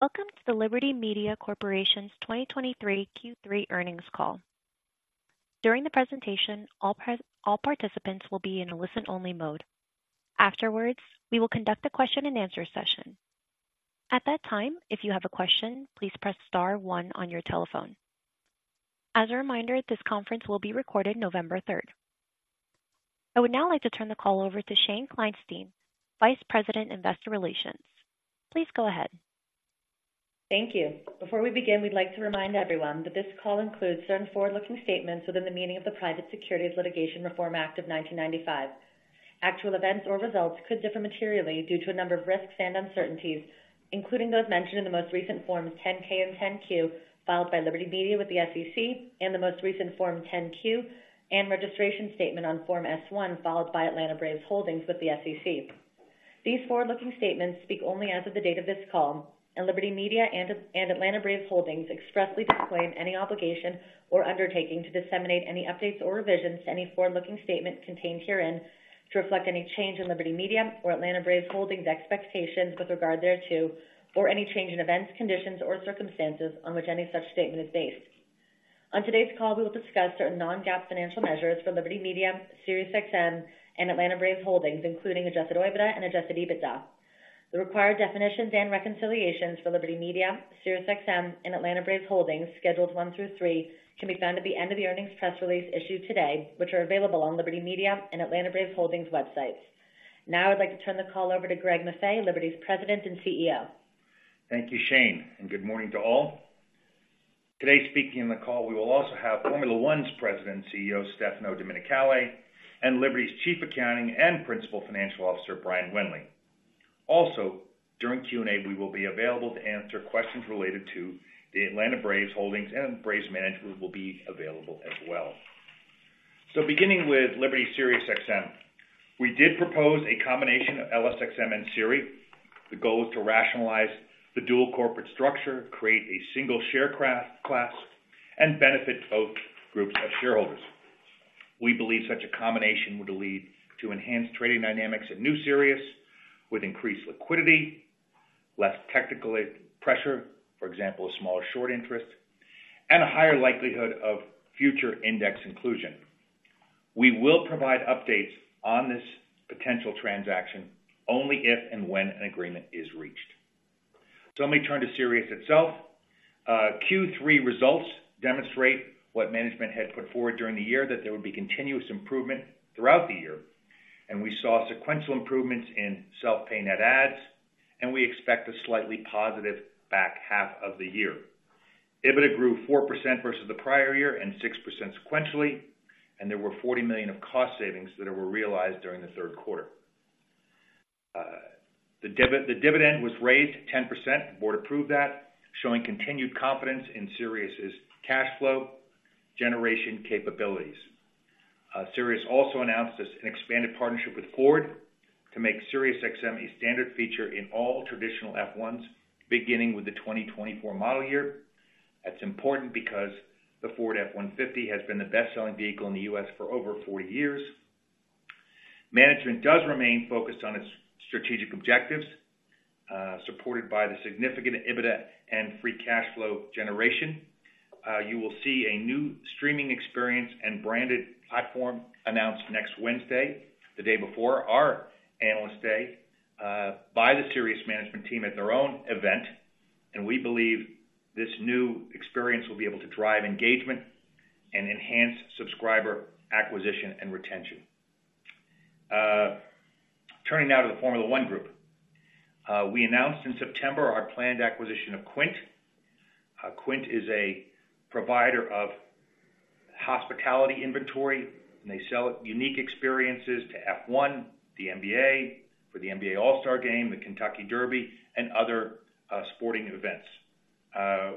Welcome to the Liberty Media Corporation's 2023 Q3 earnings call. During the presentation, all participants will be in a listen-only mode. Afterwards, we will conduct a question-and-answer session. At that time, if you have a question, please press star one on your telephone. As a reminder, this conference will be recorded November 3rd. I would now like to turn the call over to Shane Kleinstein, Vice President, Investor Relations. Please go ahead. Thank you. Before we begin, we'd like to remind everyone that this call includes certain forward-looking statements within the meaning of the Private Securities Litigation Reform Act of 1995. Actual events or results could differ materially due to a number of risks and uncertainties, including those mentioned in the most recent Forms 10-K and 10-Q filed by Liberty Media with the SEC and the most recent Form 10-Q and registration statement on Form S-1, filed by Atlanta Braves Holdings with the SEC. These forward-looking statements speak only as of the date of this call, and Liberty Media and Atlanta Braves Holdings expressly disclaim any obligation or undertaking to disseminate any updates or revisions to any forward-looking statements contained herein to reflect any change in Liberty Media or Atlanta Braves Holdings' expectations with regard thereto, or any change in events, conditions, or circumstances on which any such statement is based. On today's call, we will discuss certain non-GAAP financial measures for Liberty Media, Sirius XM, and Atlanta Braves Holdings, including adjusted OIBDA and adjusted EBITDA. The required definitions and reconciliations for Liberty Media, Sirius XM, and Atlanta Braves Holdings, Schedules one through three, can be found at the end of the earnings press release issued today, which are available on Liberty Media and Atlanta Braves Holdings websites. Now I'd like to turn the call over to Greg Maffei, Liberty's President and CEO. Thank you, Shane, and good morning to all. Today, speaking on the call, we will also have Formula One's President and CEO, Stefano Domenicali, and Liberty's Chief Accounting and Principal Financial Officer, Brian Wendling. Also, during Q&A, we will be available to answer questions related to the Atlanta Braves Holdings, and Braves management will be available as well. Beginning with Liberty SiriusXM, we did propose a combination of LSXM and SiriusXM. The goal is to rationalize the dual corporate structure, create a single share class, and benefit both groups of shareholders. We believe such a combination would lead to enhanced trading dynamics at new SiriusXM, with increased liquidity, less technical pressure, for example, a smaller short interest, and a higher likelihood of future index inclusion. We will provide updates on this potential transaction only if and when an agreement is reached. So let me turn to Sirius itself. Q3 results demonstrate what management had put forward during the year, that there would be continuous improvement throughout the year, and we saw sequential improvements in self-pay net adds, and we expect a slightly positive back half of the year. EBITDA grew 4% versus the prior year and 6% sequentially, and there were $40 million of cost savings that were realized during the third quarter. The dividend was raised 10%. The board approved that, showing continued confidence in SiriusXM's cash flow generation capabilities. SiriusXM also announced an expanded partnership with Ford to make SiriusXM a standard feature in all traditional F-150s, beginning with the 2024 model year. That's important because the Ford F-150 has been the best-selling vehicle in the U.S. for over 40 years. Management does remain focused on its strategic objectives, supported by the significant EBITDA and free cash flow generation. You will see a new streaming experience and branded platform announced next Wednesday, the day before our Analyst Day, by the Sirius management team at their own event, and we believe this new experience will be able to drive engagement and enhance subscriber acquisition and retention. Turning now to the Formula One group. We announced in September our planned acquisition of Quint. Quint is a provider of hospitality inventory, and they sell unique experiences to F1, the NBA, for the NBA All-Star Game, the Kentucky Derby, and other sporting events.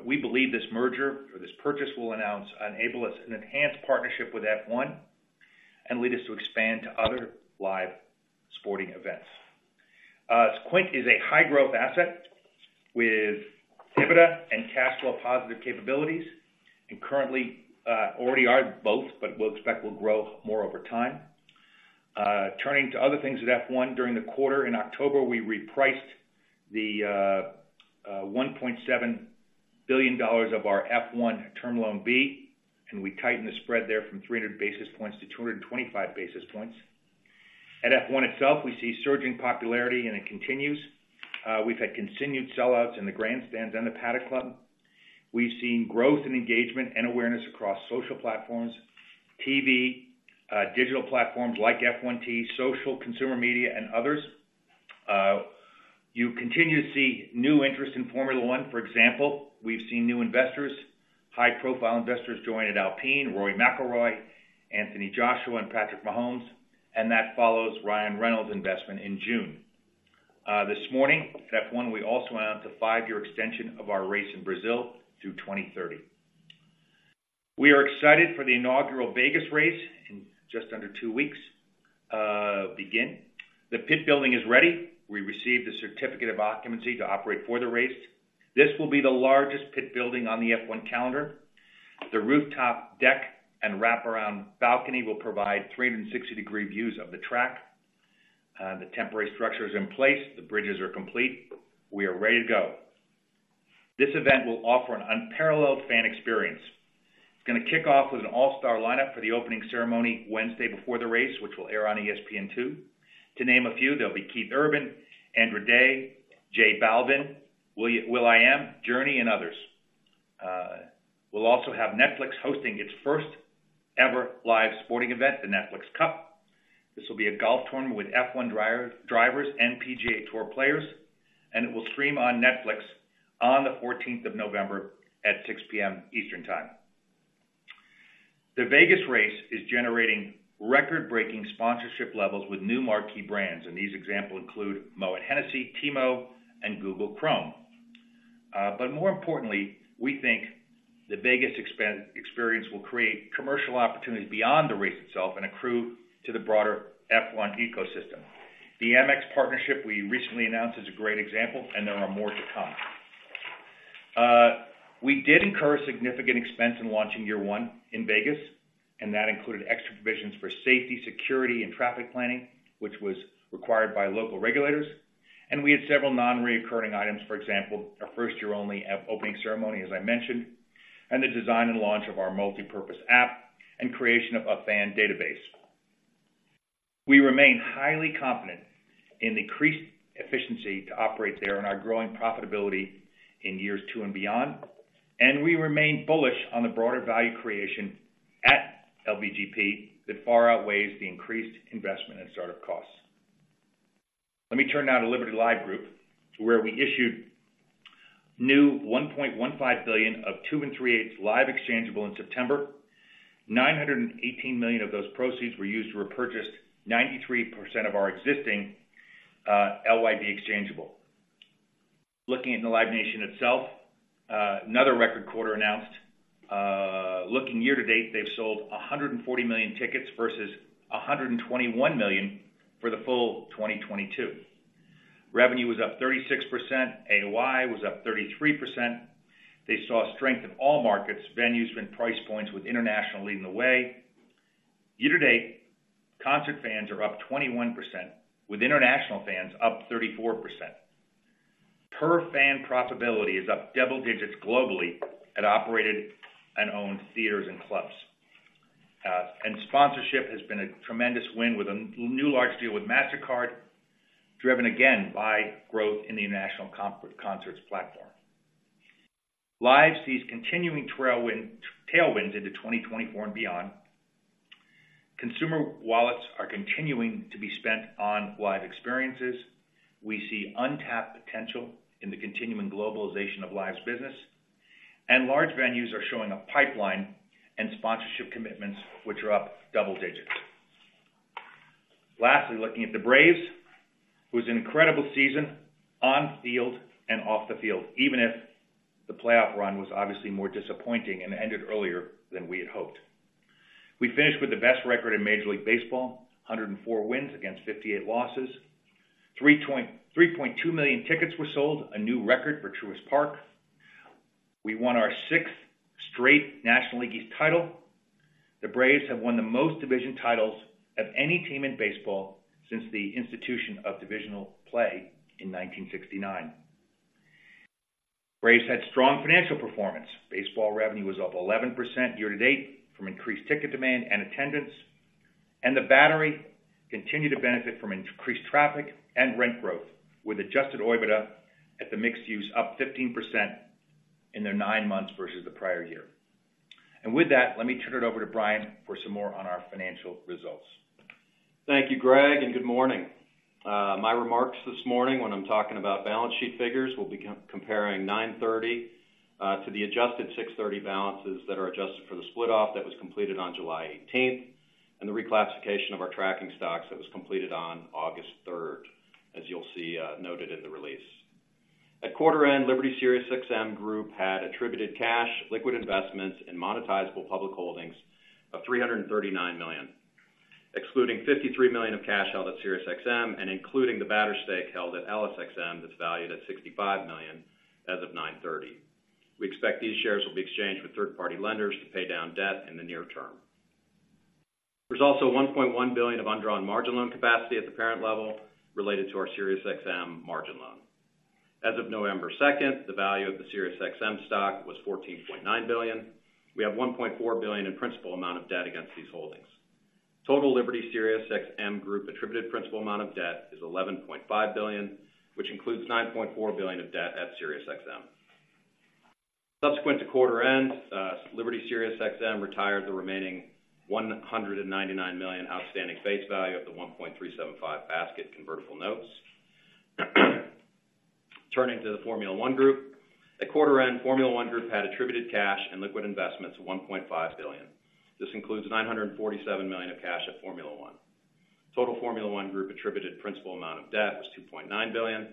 We believe this merger or this purchase will enable us an enhanced partnership with F1 and lead us to expand to other live sporting events. Quint is a high-growth asset with EBITDA and cash flow positive capabilities, and currently, already are both, but we'll expect will grow more over time. Turning to other things at F1. During the quarter in October, we repriced the $1.7 billion of our F1 term loan B, and we tightened the spread there from 300 basis points to 225 basis points. At F1 itself, we see surging popularity, and it continues. We've had continued sellouts in the grandstands and the Paddock Club. We've seen growth in engagement and awareness across social platforms, TV, digital platforms like F1T, social, consumer media, and others. You continue to see new interest in Formula One. For example, we've seen new investors, high-profile investors joined at Alpine, Rory McIlroy, Anthony Joshua, and Patrick Mahomes, and that follows Ryan Reynolds' investment in June. This morning, at F1, we also announced a five-year extension of our race in Brazil through 2030. We are excited for the inaugural Vegas race in just under two weeks, begin. The pit building is ready. We received a certificate of occupancy to operate for the race. This will be the largest pit building on the F1 calendar. The rooftop deck and wraparound balcony will provide 360-degree views of the track. The temporary structure is in place, the bridges are complete. We are ready to go. This event will offer an unparalleled fan experience. It's gonna kick off with an all-star lineup for the opening ceremony Wednesday before the race, which will air on ESPN2. To name a few, there'll be Keith Urban, Andra Day, J Balvin, will.i.am, Journey, and others. We'll also have Netflix hosting its first-ever live sporting event, the Netflix Cup. This will be a golf tournament with F1 drivers and PGA Tour players, and it will stream on Netflix on the fourteenth of November at 6:00 P.M. Eastern Time. The Vegas race is generating record-breaking sponsorship levels with new marquee brands, and these examples include Moët Hennessy, Timo, and Google Chrome. But more importantly, we think the Vegas experience will create commercial opportunities beyond the race itself and accrue to the broader F1 ecosystem. The Amex partnership we recently announced is a great example, and there are more to come. We did incur significant expense in launching year one in Vegas, and that included extra provisions for safety, security, and traffic planning, which was required by local regulators. We had several non-recurring items, for example, our first-year-only opening ceremony, as I mentioned, and the design and launch of our multipurpose app and creation of a fan database. We remain highly confident in the increased efficiency to operate there and our growing profitability in years two and beyond, and we remain bullish on the broader value creation at LVGP that far outweighs the increased investment and startup costs. Let me turn now to Liberty Live Group, to where we issued new $1.15 billion of 2 3/8 Live exchangeable in September. $918 million of those proceeds were used to repurchase 93% of our existing LYD exchangeable. Looking at the Live Nation itself, another record quarter announced. Looking year to date, they've sold 140 million tickets versus 121 million for the full 2022. Revenue was up 36%, AOI was up 33%. They saw strength in all markets, venues, and price points, with international leading the way. Year to date, concert fans are up 21%, with international fans up 34%. Per fan profitability is up double digits globally at operated and owned theaters and clubs. And sponsorship has been a tremendous win with a new large deal with Mastercard, driven again by growth in the international concerts platform. Live sees continuing tailwinds into 2024 and beyond. Consumer wallets are continuing to be spent on live experiences. We see untapped potential in the continuing globalization of Live's business, and large venues are showing a pipeline and sponsorship commitments, which are up double digits. Lastly, looking at the Braves, it was an incredible season on field and off the field, even if the playoff run was obviously more disappointing and ended earlier than we had hoped. We finished with the best record in Major League Baseball, 104 wins against 58 losses. 3.2 million tickets were sold, a new record for Truist Park. We won our sixth straight National League East title. The Braves have won the most division titles of any team in baseball since the institution of divisional play in 1969. Braves had strong financial performance. Baseball revenue was up 11% year to date from increased ticket demand and attendance, and the Battery continued to benefit from increased traffic and rent growth, with Adjusted OIBDA at the mixed-use up 15% in their nine months versus the prior year. And with that, let me turn it over to Brian for some more on our financial results. Thank you, Greg, and good morning. My remarks this morning, when I'm talking about balance sheet figures, we'll be comparing 9/30 to the adjusted 6/30 balances that are adjusted for the split-off that was completed on July 18, and the reclassification of our tracking stocks that was completed on August 3, as you'll see, noted in the release. At quarter end, Liberty SiriusXM Group had attributable cash, liquid investments, and monetizable public holdings of $339 million, excluding $53 million of cash held at SiriusXM and including the Battery stake held at LSXM, that's valued at $65 million as of 9/30. We expect these shares will be exchanged with third-party lenders to pay down debt in the near term. There's also $1.1 billion of undrawn margin loan capacity at the parent level related to our SiriusXM margin loan. As of November 2nd, the value of the SiriusXM stock was $14.9 billion. We have $1.4 billion in principal amount of debt against these holdings. Total Liberty SiriusXM Group attributed principal amount of debt is $11.5 billion, which includes $9.4 billion of debt at SiriusXM. Subsequent to quarter end, Liberty SiriusXM retired the remaining $199 million outstanding face value of the 1.375% basket convertible notes. Turning to the Formula One Group. At quarter end, Formula One Group had attributed cash and liquid investments of $1.5 billion. This includes $947 million of cash at Formula One. Total Formula One Group attributed principal amount of debt was $2.9 billion,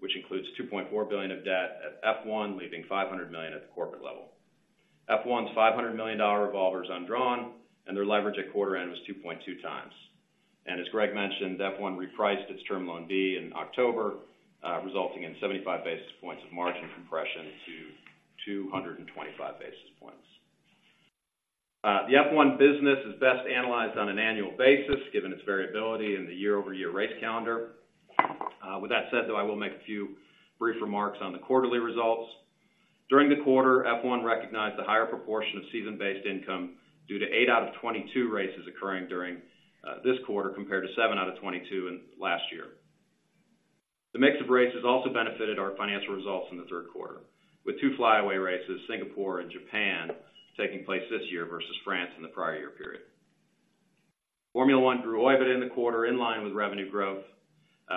which includes $2.4 billion of debt at F1, leaving $500 million at the corporate level. F1's $500 million revolver is undrawn, and their leverage at quarter end was 2.2x. And as Greg mentioned, F1 repriced its term loan B in October, resulting in 75 basis points of margin compression to 225 basis points. The F1 business is best analyzed on an annual basis, given its variability in the year-over-year race calendar. With that said, though, I will make a few brief remarks on the quarterly results. During the quarter, F1 recognized a higher proportion of season-based income due to eight out of 22 races occurring during this quarter, compared to seven out of 22 in last year. The mix of races also benefited our financial results in the third quarter, with two flyaway races, Singapore and Japan, taking place this year versus France in the prior year period. Formula One grew OIBDA in the quarter, in line with revenue growth.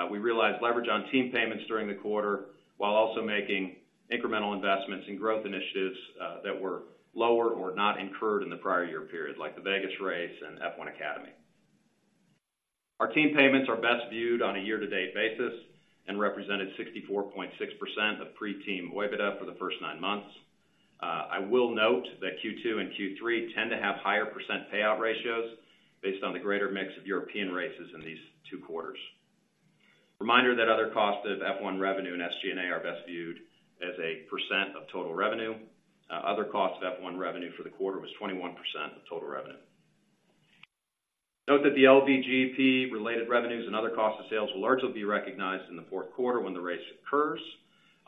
We realized leverage on team payments during the quarter, while also making incremental investments in growth initiatives, that were lower or not incurred in the prior year period, like the Vegas race and F1 Academy. Our team payments are best viewed on a year-to-date basis and represented 64.6% of pre-team OIBDA for the first nine months. I will note that Q2 and Q3 tend to have higher percent payout ratios based on the greater mix of European races in these two quarters. Reminder that other costs of F1 revenue and SG&A are best viewed as a percent of total revenue. Other costs of F1 revenue for the quarter was 21% of total revenue. Note that the LVGP related revenues and other costs of sales will largely be recognized in the fourth quarter when the race occurs.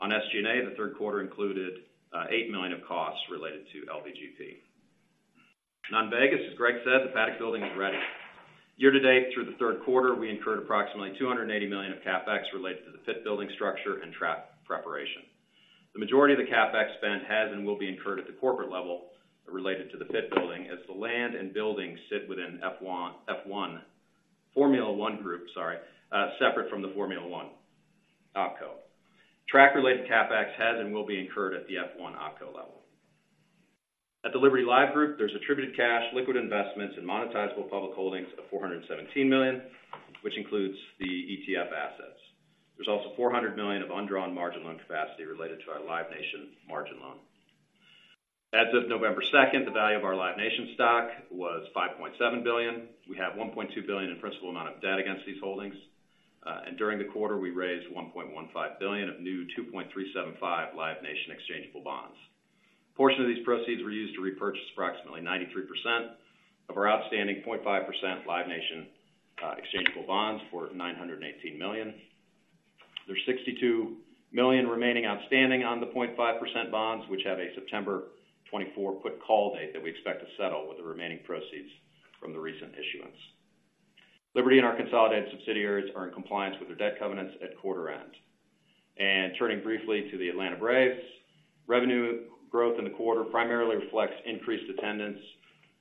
On SG&A, the third quarter included $8 million of costs related to LVGP. On Vegas, as Greg said, the paddock building is ready. Year to date, through the third quarter, we incurred approximately $280 million of CapEx related to the pit building structure and track preparation. The majority of the CapEx spend has and will be incurred at the corporate level related to the pit building, as the land and buildings sit within F1, Formula One Group, separate from the Formula One OpCo. Track-related CapEx has and will be incurred at the F1 OpCo level. At the Liberty Live Group, there's attributed cash, liquid investments, and monetizable public holdings of $417 million, which includes the ETF assets. There's also $400 million of undrawn margin loan capacity related to our Live Nation margin loan. As of November 2nd, the value of our Live Nation stock was $5.7 billion. We have $1.2 billion in principal amount of debt against these holdings. And during the quarter, we raised $1.15 billion of new 2.375% Live Nation exchangeable bonds. Portion of these proceeds were used to repurchase approximately 93% of our outstanding 0.5% Live Nation exchangeable bonds for $918 million. There's $62 million remaining outstanding on the 0.5% bonds, which have a September 2024 put call date that we expect to settle with the remaining proceeds from the recent issuance. Liberty and our consolidated subsidiaries are in compliance with their debt covenants at quarter end. Turning briefly to the Atlanta Braves, revenue growth in the quarter primarily reflects increased attendance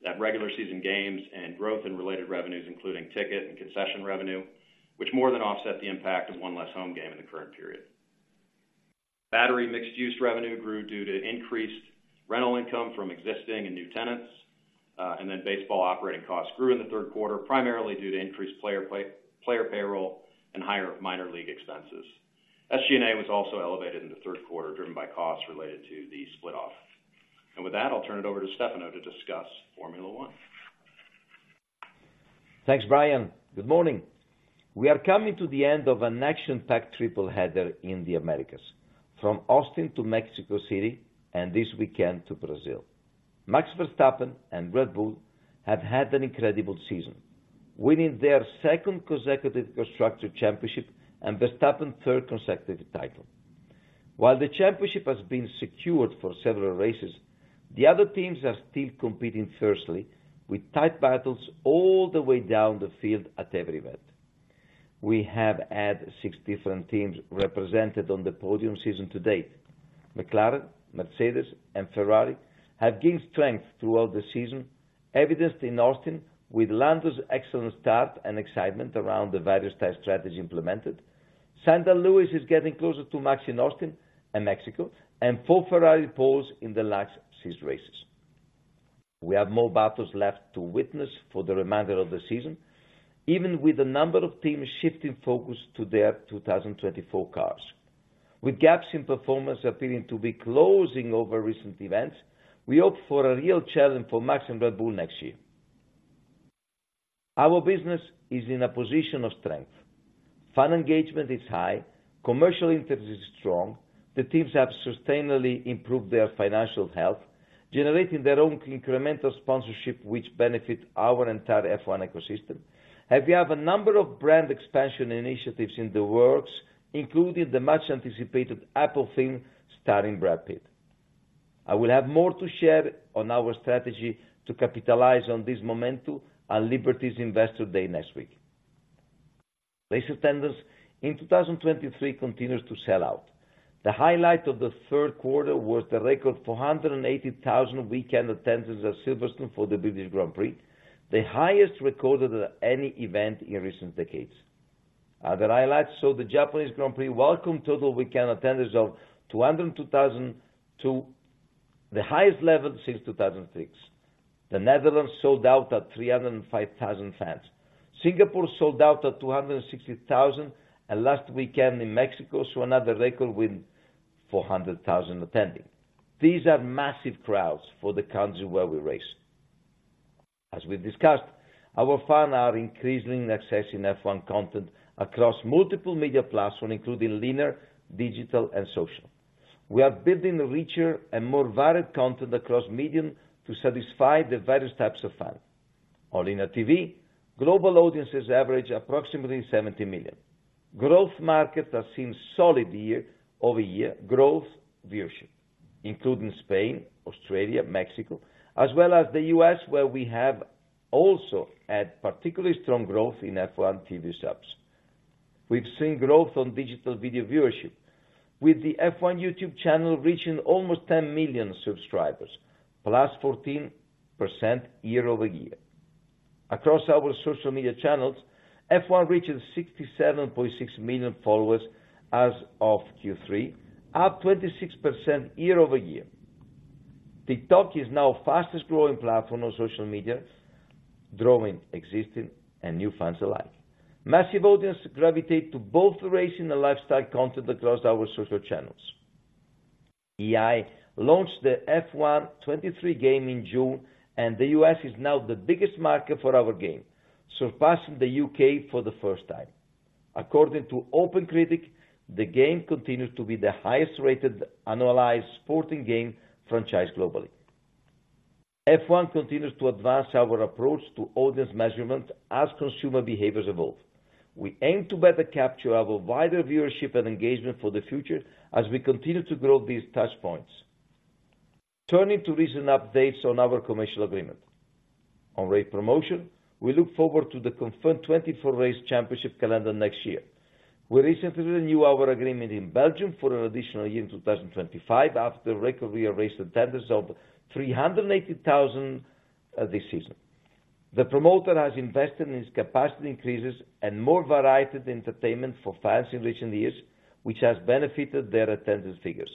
at regular season games and growth in related revenues, including ticket and concession revenue, which more than offset the impact of one less home game in the current period. Battery mixed-use revenue grew due to increased rental income from existing and new tenants, and then baseball operating costs grew in the third quarter, primarily due to increased player payroll and higher minor league expenses. SG&A was also elevated in the third quarter, driven by costs related to the split off. With that, I'll turn it over to Stefano to discuss Formula One. Thanks, Brian. Good morning. We are coming to the end of an action-packed triple-header in the Americas, from Austin to Mexico City, and this weekend to Brazil. Max Verstappen and Red Bull have had an incredible season, winning their second consecutive Constructors' Championship and Verstappen's third consecutive title. While the championship has been secured for several races, the other teams are still competing fiercely with tight battles all the way down the field at every event. We have had six different teams represented on the podium season to date. McLaren, Mercedes, and Ferrari have gained strength throughout the season, evidenced in Austin with Lando's excellent start and excitement around the various style strategies implemented. Lewis is getting closer to Max in Austin and Mexico, and four Ferrari poles in the last six races. We have more battles left to witness for the remainder of the season, even with a number of teams shifting focus to their 2024 cars. With gaps in performance appearing to be closing over recent events, we hope for a real challenge for Max and Red Bull next year. Our business is in a position of strength. Fan engagement is high, commercial interest is strong. The teams have sustainably improved their financial health, generating their own incremental sponsorship, which benefit our entire F1 ecosystem. And we have a number of brand expansion initiatives in the works, including the much-anticipated Apple thing, starring Brad Pitt. I will have more to share on our strategy to capitalize on this momentum at Liberty's Investor Day next week. Race attendance in 2023 continues to sell out. The highlight of the third quarter was the record 480,000 weekend attendance at Silverstone for the British Grand Prix, the highest recorded at any event in recent decades. Other highlights saw the Japanese Grand Prix welcome total weekend attendance of 202,000 to the highest level since 2006. The Netherlands sold out at 305,000 fans. Singapore sold out at 260,000, and last weekend in Mexico saw another record with 400,000 attending. These are massive crowds for the countries where we race. As we've discussed, our fans are increasingly accessing F1 content across multiple media platforms, including linear, digital, and social. We are building richer and more varied content across media to satisfy the various types of fans. On linear TV, global audiences average approximately 70 million. Growth markets have seen solid year-over-year growth viewership, including Spain, Australia, Mexico, as well as the US, where we have also had particularly strong growth in F1 TV subs. We've seen growth on digital video viewership, with the F1 YouTube channel reaching almost 10 million subscribers, +14% year-over-year. Across our social media channels, F1 reaches 67.6 million followers as of Q3, up 26% year-over-year. TikTok is now the fastest growing platform on social media, drawing existing and new fans alike. Massive audiences gravitate to both the racing and lifestyle content across our social channels. EA launched the F1 23 game in June, and the U.S. is now the biggest market for our game, surpassing the UK for the first time. According to Open Critic, the game continues to be the highest-rated annualized sporting game franchise globally. F1 continues to advance our approach to audience measurement as consumer behaviors evolve. We aim to better capture our wider viewership and engagement for the future as we continue to grow these touchpoints. Turning to recent updates on our commercial agreement. On race promotion, we look forward to the confirmed 24 race championship calendar next year. We recently renewed our agreement in Belgium for an additional year in 2025, after a record year race attendance of 380,000 this season. The promoter has invested in its capacity increases and more variety of entertainment for fans in recent years, which has benefited their attendance figures.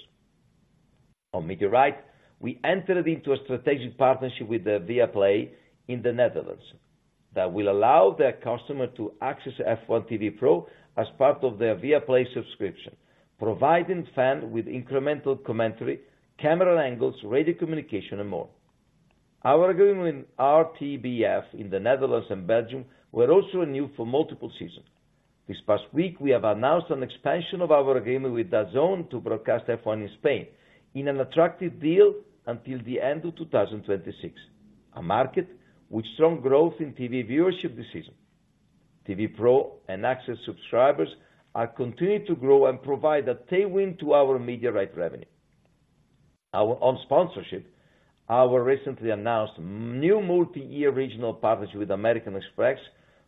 On media rights, we entered into a strategic partnership with Viaplay in the Netherlands that will allow their customers to access F1 TV Pro as part of their Viaplay subscription, providing fans with incremental commentary, camera angles, radio communication, and more. Our agreement with RTBF in the Netherlands and Belgium was also renewed for multiple seasons. This past week, we announced an expansion of our agreement with DAZN to broadcast F1 in Spain in an attractive deal until the end of 2026, a market with strong growth in TV viewership this season. TV Pro and Access subscribers are continuing to grow and provide a tailwind to our media rights revenue. On sponsorship, our recently announced new multi-year regional partnership with American Express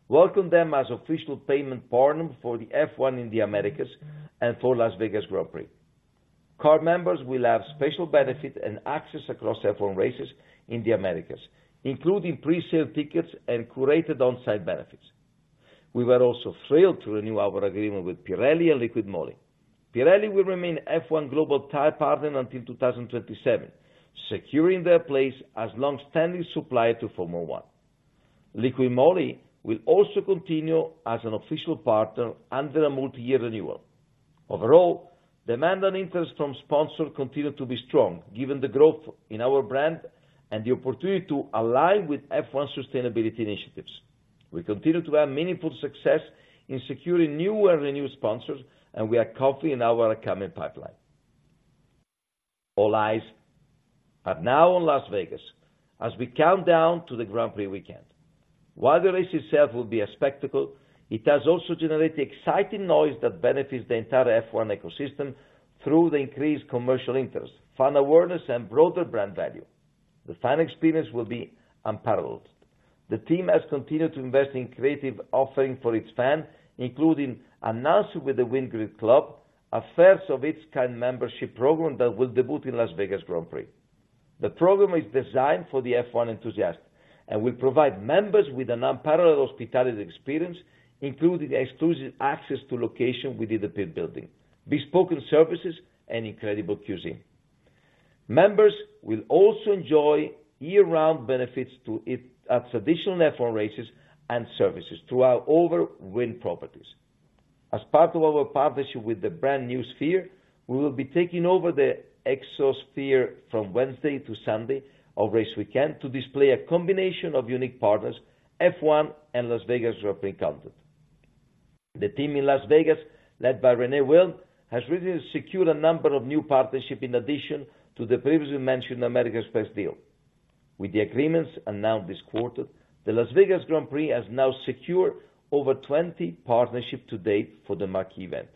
welcomed them as official payment partner for F1 in the Americas and for Las Vegas Grand Prix. Card members will have special benefits and access across F1 races in the Americas, including pre-sale tickets and curated on-site benefits. We were also thrilled to renew our agreement with Pirelli and Liqui Moly. Pirelli will remain F1 global tire partner until 2027, securing their place as long-standing supplier to Formula One. Liqui Moly will also continue as an official partner under a multi-year renewal. Overall, demand and interest from sponsors continue to be strong, given the growth in our brand and the opportunity to align with F1 sustainability initiatives. We continue to have meaningful success in securing new and renewed sponsors, and we are confident in our upcoming pipeline. All eyes are now on Las Vegas as we count down to the Grand Prix weekend. While the race itself will be a spectacle, it has also generated exciting noise that benefits the entire F1 ecosystem through the increased commercial interest, fan awareness, and broader brand value. The fan experience will be unparalleled. The team has continued to invest in creative offerings for its fans, including announcing with the Wynn Club, a first-of-its-kind membership program that will debut in Las Vegas Grand Prix. The program is designed for the F1 enthusiast, and will provide members with an unparalleled hospitality experience, including exclusive access to locations within the pit building, bespoke services, and incredible cuisine. Members will also enjoy year-round benefits to it at traditional F1 races and services throughout all our Wynn properties. As part of our partnership with the brand new Sphere, we will be taking over the Exosphere from Wednesday to Sunday of race weekend to display a combination of unique partners, F1 and Las Vegas Grand Prix content. The team in Las Vegas, led by Renee Wilm, has recently secured a number of new partnerships in addition to the previously mentioned American Express deal. With the agreements announced this quarter, the Las Vegas Grand Prix has now secured over 20 partnerships to date for the marquee event.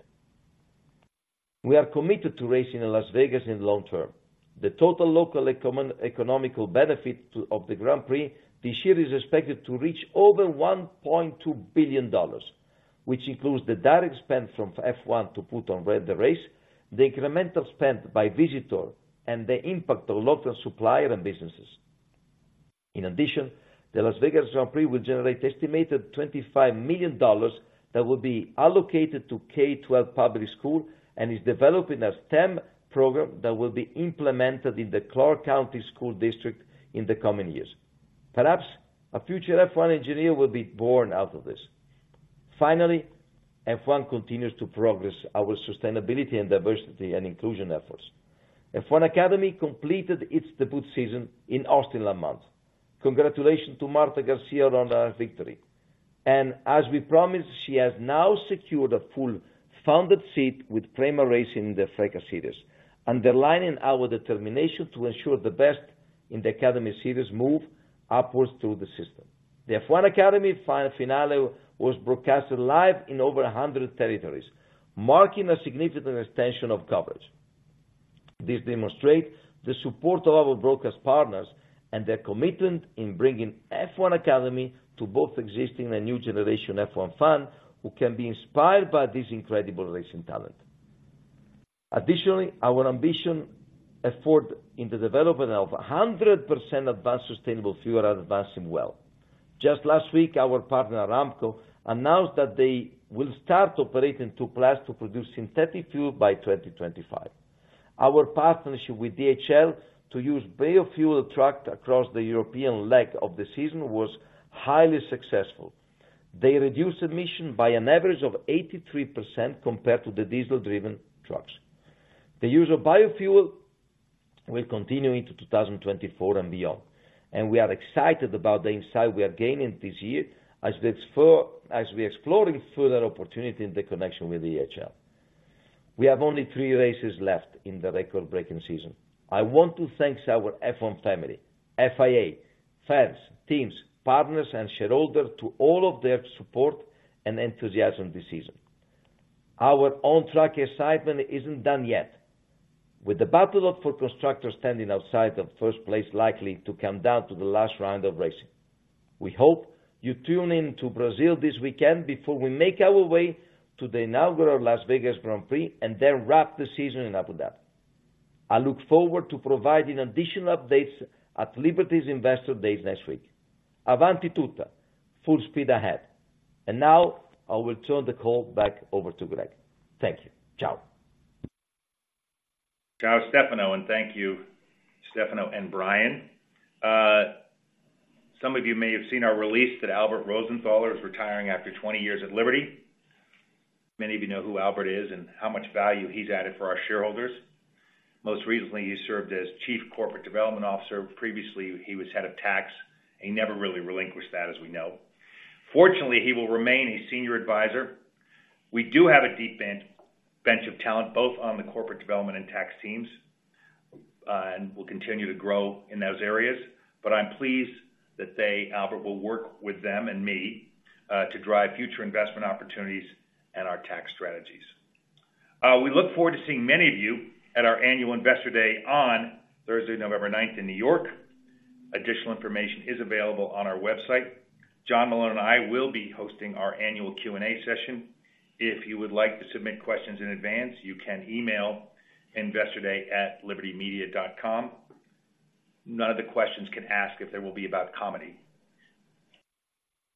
We are committed to racing in Las Vegas in the long term. The total local economic benefit of the Grand Prix this year is expected to reach over $1.2 billion, which includes the direct spend from F1 to put on the race, the incremental spend by visitors, and the impact on local suppliers and businesses. In addition, the Las Vegas Grand Prix will generate estimated $25 million that will be allocated to K-12 public school and is developing a STEM program that will be implemented in the Clark County School District in the coming years. Perhaps a future F1 engineer will be born out of this.... Finally, F1 continues to progress our sustainability and diversity and inclusion efforts. F1 Academy completed its debut season in Austin last month. Congratulations to Marta García on her victory. And as we promised, she has now secured a fully funded seat with Prema Racing in the FRECA Series, underlining our determination to ensure the best in the academy series move upwards through the system. The F1 Academy finale was broadcast live in over 100 territories, marking a significant extension of coverage. This demonstrates the support of our broadcast partners and their commitment to bringing F1 Academy to both existing and new generation F1 fans, who can be inspired by this incredible racing talent. Additionally, our ambitious effort in the development of 100% advanced sustainable fuel is advancing well. Just last week, our partner, Aramco, announced that they will start operating two plants to produce synthetic fuel by 2025. Our partnership with DHL to use biofuel trucks across the European leg of the season was highly successful. They reduced emissions by an average of 83% compared to the diesel-driven trucks. The use of biofuel will continue into 2024 and beyond, and we are excited about the insights we are gaining this year as we explore, as we're exploring further opportunities in connection with DHL. We have only three races left in the record-breaking season. I want to thank our F1 family, FIA, fans, teams, partners, and shareholders for all of their support and enthusiasm this season. Our on-track excitement isn't done yet. With the battle for Constructors' standing outside of first place, likely to come down to the last round of racing. We hope you tune in to Brazil this weekend before we make our way to the inaugural Las Vegas Grand Prix, and then wrap the season in Abu Dhabi. I look forward to providing additional updates at Liberty's Investor Day next week. Avanti tutta! Full speed ahead. And now I will turn the call back over to Greg. Thank you. Ciao. Ciao, Stefano, and thank you, Stefano and Brian. Some of you may have seen our release that Albert Rosenthaler is retiring after 20 years at Liberty. Many of you know who Albert is and how much value he's added for our shareholders. Most recently, he served as Chief Corporate Development Officer. Previously, he was Head of Tax, and he never really relinquished that, as we know. Fortunately, he will remain a senior advisor. We do have a deep bench of talent, both on the corporate development and tax teams, and we'll continue to grow in those areas. But I'm pleased that Albert will work with them and me to drive future investment opportunities and our tax strategies. We look forward to seeing many of you at our Annual Investor Day on Thursday, November ninth, in New York. Additional information is available on our website. John Malone and I will be hosting our annual Q&A session. If you would like to submit questions in advance, you can email investorday@libertymedia.com. None of the questions can ask if they will be about comedy.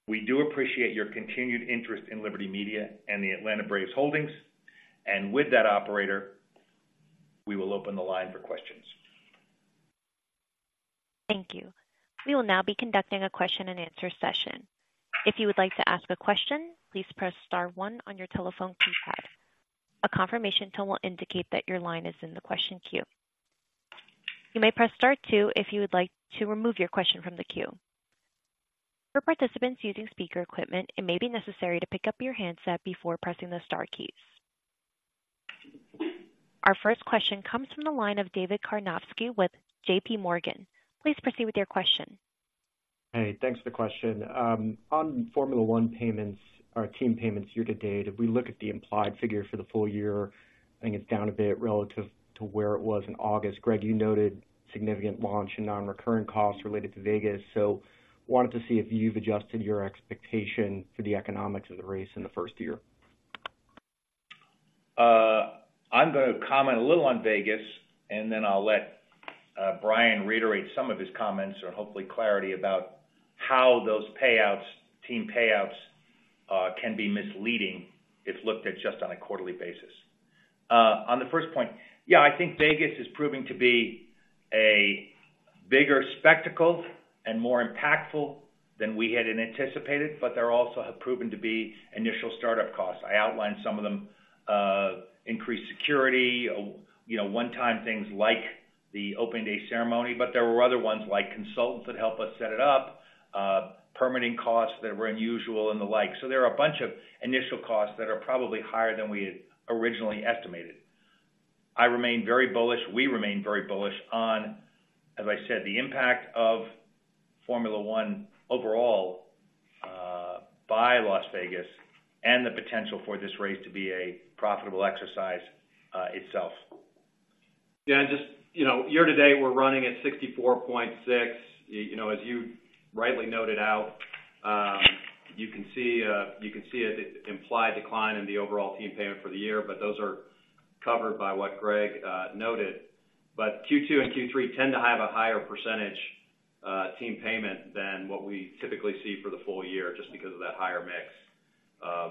We do appreciate your continued interest in Liberty Media and the Atlanta Braves holdings, and with that, operator, we will open the line for questions. Thank you. We will now be conducting a question-and-answer session. If you would like to ask a question, please press star one on your telephone keypad. A confirmation tone will indicate that your line is in the question queue. You may press star two if you would like to remove your question from the queue. For participants using speaker equipment, it may be necessary to pick up your handset before pressing the star keys. Our first question comes from the line of David Karnovsky with JPMorgan. Please proceed with your question. Hey, thanks for the question. On Formula One payments or team payments year to date, if we look at the implied figure for the full year, I think it's down a bit relative to where it was in August. Greg, you noted significant launch and non-reoccurring costs related to Vegas. So wanted to see if you've adjusted your expectation for the economics of the race in the first year. I'm gonna comment a little on Vegas, and then I'll let Brian reiterate some of his comments or hopefully clarify about how those payouts, team payouts, can be misleading if looked at just on a quarterly basis. On the first point, yeah, I think Vegas is proving to be a bigger spectacle and more impactful than we had anticipated, but there also have proven to be initial startup costs. I outlined some of them, increased security, you know, one-time things like the opening day ceremony, but there were other ones, like consultants that helped us set it up, permitting costs that were unusual and the like. So there are a bunch of initial costs that are probably higher than we had originally estimated. I remain very bullish. We remain very bullish on, as I said, the impact of Formula One overall, by Las Vegas, and the potential for this race to be a profitable exercise, itself. Yeah, just, you know, year to date, we're running at 64.6. You know, as you rightly noted out, you can see it, the implied decline in the overall team payment for the year, but those are covered by what Greg noted. But Q2 and Q3 tend to have a higher percentage team payment than what we typically see for the full year, just because of that higher mix of.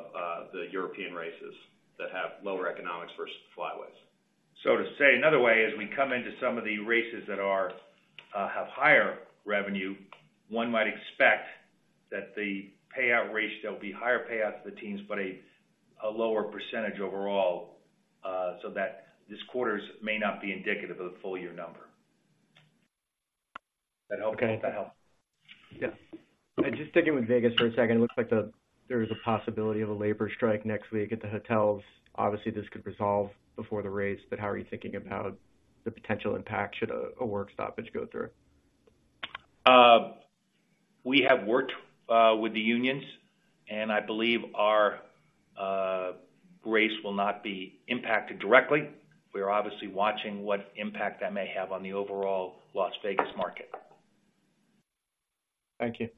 The European races that have lower economics versus flyaway. So to say another way, as we come into some of the races that are, have higher revenue, one might expect that the payout ratio, there'll be higher payouts to the teams, but a lower percentage overall, so that this quarter's may not be indicative of the full year number. That help? Okay. That help? Yeah. I'm just sticking with Vegas for a second. It looks like the, there's a possibility of a labor strike next week at the hotels. Obviously, this could resolve before the race, but how are you thinking about the potential impact should a work stoppage go through? We have worked with the unions, and I believe our race will not be impacted directly. We're obviously watching what impact that may have on the overall Las Vegas market. Thank you.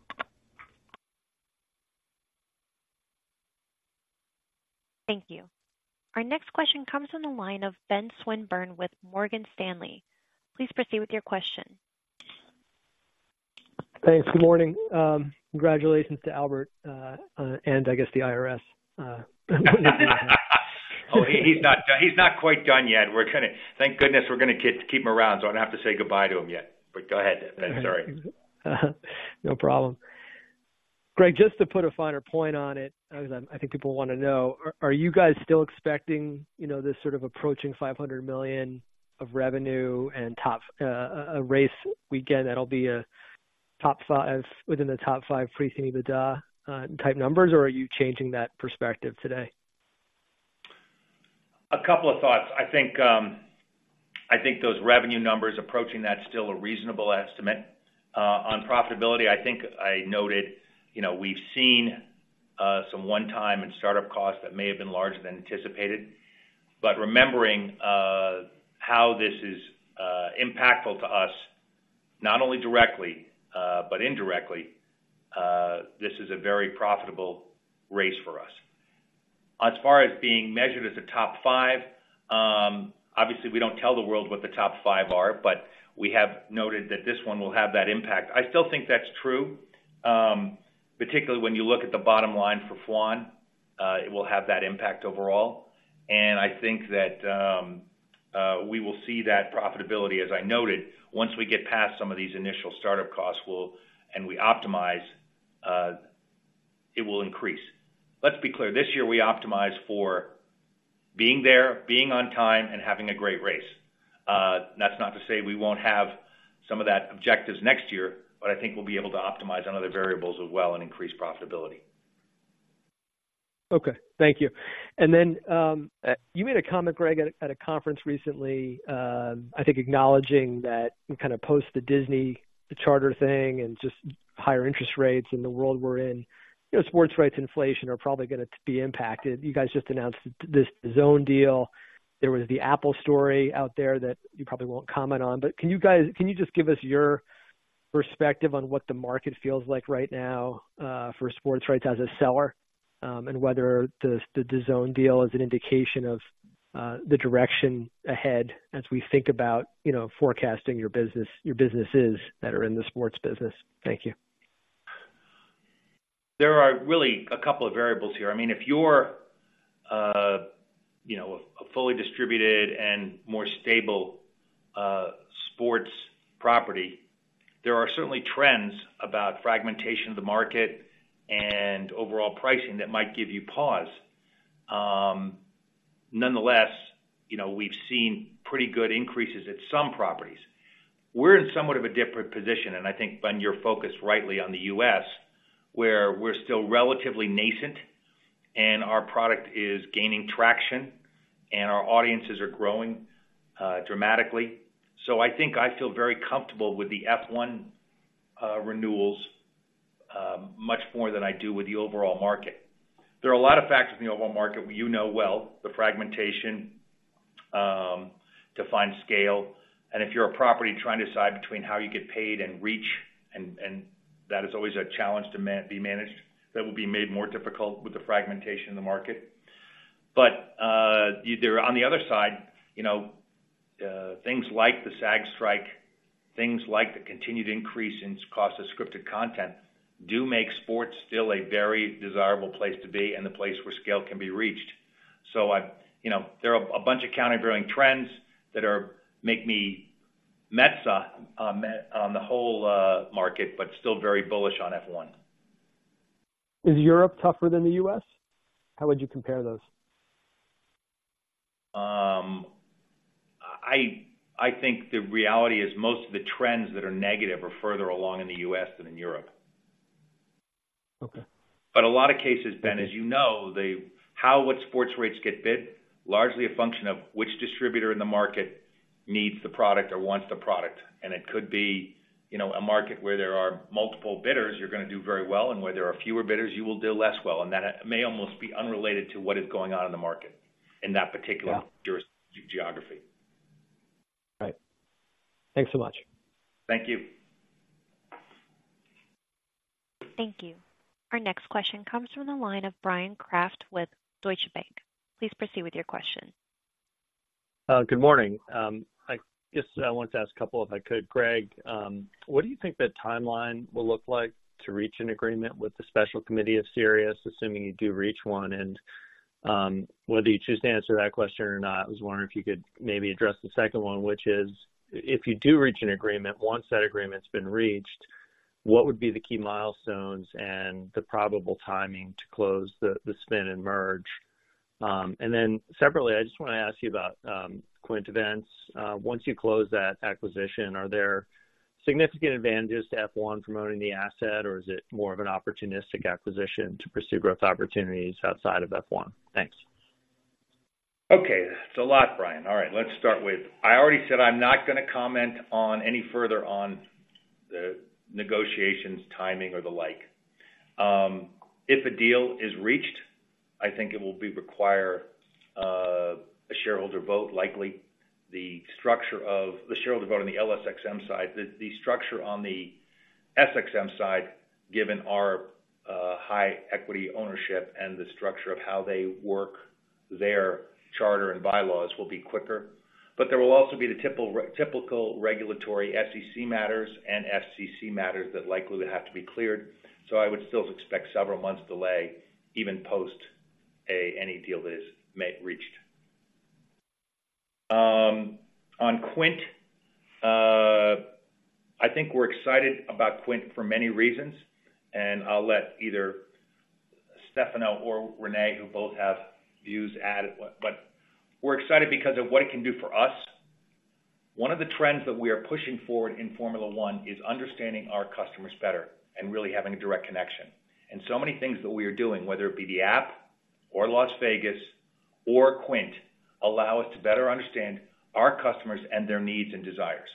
Thank you. Our next question comes from the line of Ben Swinburne with Morgan Stanley. Please proceed with your question. Thanks. Good morning. Congratulations to Albert, and I guess the IRS. Oh, he's not quite done yet. Thank goodness, we're gonna get to keep him around, so I don't have to say goodbye to him yet. But go ahead, Ben. Sorry. No problem. Greg, just to put a finer point on it, because I'm, I think people wanna know, are you guys still expecting, you know, this sort of approaching $500 million of revenue and top, a race weekend that'll be a top five, within the top five pre-EBITDA, type numbers, or are you changing that perspective today? A couple of thoughts. I think, I think those revenue numbers approaching that, still a reasonable estimate. On profitability, I think I noted, you know, we've seen, some one-time and start-up costs that may have been larger than anticipated. But remembering, how this is, impactful to us, not only directly, but indirectly, this is a very profitable race for us. As far as being measured as a top five, obviously, we don't tell the world what the top five are, but we have noted that this one will have that impact. I still think that's true, particularly when you look at the bottom line for F1, it will have that impact overall. And I think that, we will see that profitability, as I noted, once we get past some of these initial start-up costs, we'll. And we optimize, it will increase. Let's be clear, this year we optimized for being there, being on time, and having a great race. That's not to say we won't have some of that objectives next year, but I think we'll be able to optimize on other variables as well and increase profitability. Okay, thank you. And then, you made a comment, Greg, at a conference recently, I think acknowledging that kind of post the Disney, the charter thing and just higher interest rates in the world we're in, you know, sports rights inflation are probably gonna be impacted. You guys just announced this DAZN deal. There was the Apple story out there that you probably won't comment on. But can you guys just give us your perspective on what the market feels like right now, for sports rights as a seller, and whether the DAZN deal is an indication of the direction ahead as we think about, you know, forecasting your business, your businesses that are in the sports business? Thank you. There are really a couple of variables here. I mean, if you're, you know, a fully distributed and more stable sports property, there are certainly trends about fragmentation of the market and overall pricing that might give you pause. Nonetheless, you know, we've seen pretty good increases at some properties. We're in somewhat of a different position, and I think, Ben, you're focused rightly on the U.S., where we're still relatively nascent and our product is gaining traction and our audiences are growing dramatically. So I think I feel very comfortable with the F1 renewals much more than I do with the overall market. There are a lot of factors in the overall market, you know well, the fragmentation to find scale. And if you're a property trying to decide between how you get paid and reach, and that is always a challenge to be managed, that will be made more difficult with the fragmentation in the market. But either on the other side, you know, things like the SAG strike, things like the continued increase in cost of scripted content, do make sports still a very desirable place to be and the place where scale can be reached. So I've you know, there are a bunch of counter-growing trends that make me meh on the whole market, but still very bullish on F1. Is Europe tougher than the US? How would you compare those? I think the reality is most of the trends that are negative are further along in the U.S. than in Europe. Okay. But a lot of cases, Ben, as you know, the how would sports rates get bid? Largely a function of which distributor in the market needs the product or wants the product. And it could be, you know, a market where there are multiple bidders, you're gonna do very well, and where there are fewer bidders, you will do less well. And that may almost be unrelated to what is going on in the market, in that particular. Yeah. Juris- geography. Right. Thanks so much. Thank you. Thank you. Our next question comes from the line of Brian Kraft with Deutsche Bank. Please proceed with your question. Good morning. I guess I want to ask a couple, if I could. Greg, what do you think the timeline will look like to reach an agreement with the special committee of SiriusXM, assuming you do reach one? And, whether you choose to answer that question or not, I was wondering if you could maybe address the second one, which is, if you do reach an agreement, once that agreement's been reached, what would be the key milestones and the probable timing to close the spin and merge? And then separately, I just want to ask you about Quint Events. Once you close that acquisition, are there significant advantages to F1 from owning the asset, or is it more of an opportunistic acquisition to pursue growth opportunities outside of F1? Thanks. Okay, that's a lot, Brian. All right, let's start with... I already said I'm not going to comment on any further on the negotiations, timing, or the like. If a deal is reached, I think it will require a shareholder vote, likely. The structure of the shareholder vote on the LSXM side, the structure on the SXM side, given our high equity ownership and the structure of how they work, their charter and bylaws will be quicker. But there will also be the typical regulatory SEC matters and FCC matters that likely would have to be cleared. So I would still expect several months delay, even post any deal that is made, reached. On Quint, I think we're excited about Quint for many reasons, and I'll let either Stefano or Renee, who both have views, add. We're excited because of what it can do for us. One of the trends that we are pushing forward in Formula One is understanding our customers better and really having a direct connection. And so many things that we are doing, whether it be the app or Las Vegas or Quint, allow us to better understand our customers and their needs and desires.